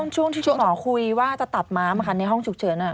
ช่วงที่หมอคุยว่าจะตัดม้ำค่ะในห้องฉุกเฉินอ่ะ